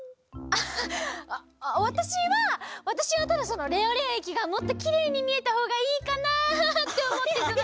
あっわたしはわたしはただそのレオレオえきがもっときれいにみえたほうがいいかなっておもってたの。